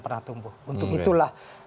pernah tumbuh untuk itulah